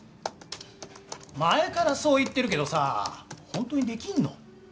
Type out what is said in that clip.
前からそう言ってるけどさ本当にできるの？